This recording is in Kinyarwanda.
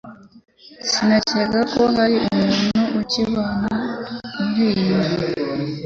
Sinatekerezaga ko hari umuntu ukibana muriyi nzu.